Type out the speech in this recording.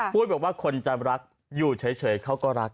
บอกว่าคนจะรักอยู่เฉยเขาก็รัก